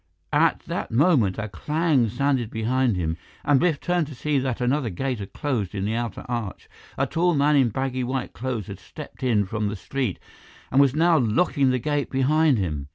At that moment, a clang sounded behind him, and Biff turned to see that another gate had closed in the outer arch. A tall man in baggy white clothes had stepped in from the street and was now locking the gate behind him.